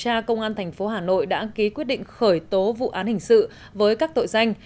điều tra công an tp hà nội đã ký quyết định khởi tố vụ án hình sự với các tội danh